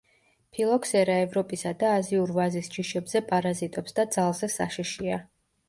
ფილოქსერა ევროპისა და აზიურ ვაზის ჯიშებზე პარაზიტობს და ძალზე საშიშია.